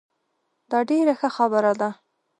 دا ډیره ښه خبره ده